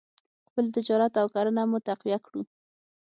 خپل تجارت او کرنه مو تقویه کړو.